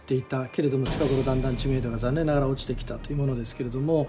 けれども近頃だんだん知名度が残念ながら落ちてきたというものですけれども。